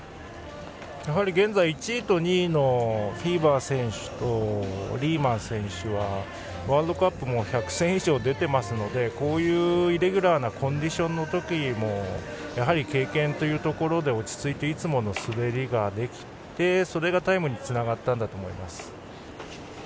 現在、１位と２位のフィーバ選手とリーマン選手はワールドカップも１００戦以上出ていますのでこういうイレギュラーなコンディションのときも経験というところで落ち着いていつもの滑りができてそれがタイムにつながったんだと思います。